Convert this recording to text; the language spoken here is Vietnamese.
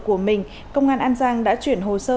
của mình công an an giang đã chuyển hồ sơ